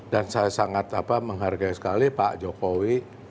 dan saya sangat apa menghargai sekali pak jokowi